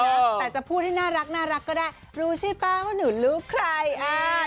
เออแต่จะพูดให้น่ารักน่ารักก็ได้รู้ใช่ไหมว่าหนูลูกใครอ่า